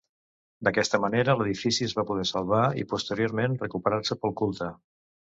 D'aquesta manera, l'edifici es va poder salvar i posteriorment recuperar-se pel culte.